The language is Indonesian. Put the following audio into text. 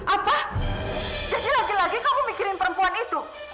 apa jadi lagi lagi kamu mikirin perempuan itu